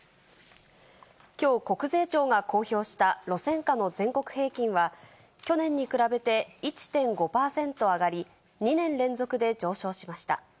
きょう、国税庁が公表した路線価の全国平均は、去年に比べて１．５％上がり、２年連続で上昇しました。